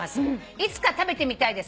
「いつか食べてみたいです。